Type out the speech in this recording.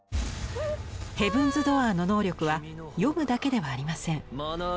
「ヘブンズ・ドアー」の能力は読むだけではありません。